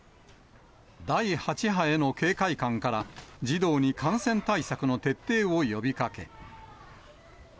第８波への警戒感から、児童に感染対策の徹底を呼びかけ。